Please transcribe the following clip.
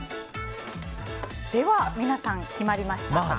では皆さん、決まりましたか。